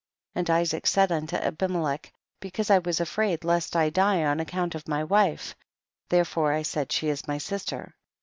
9. And Isaac said unto Abimc Icch, because I was afraid lest I die on account of my wife, therefore I said, she is my sister.